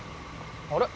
あれ？